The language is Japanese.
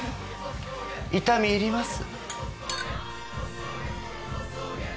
痛み入ります。